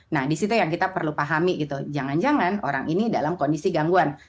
nah disitu yang kita perlu pahami gitu jangan jangan orang ini dalam kondisi gangguan